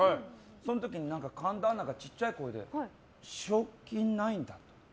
その時に神田アナが小さい声で、賞品ないんだって。